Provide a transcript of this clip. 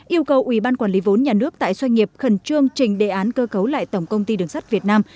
yêu cầu ủy ban quản lý vốn nhà nước tại doanh nghiệp khẩn trương trình đề án cơ cấu lại tổng công ty đường sắt việt nam